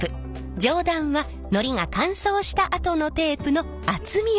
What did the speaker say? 上段はのりが乾燥したあとのテープの厚みを示しています。